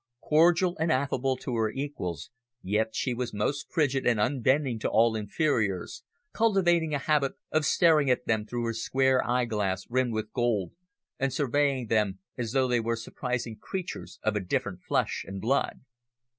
Cordial and affable to her equals, yet she was most frigid and unbending to all inferiors, cultivating a habit of staring at them through her square eyeglass rimmed with gold, and surveying them as though they were surprising creatures of a different flesh and blood.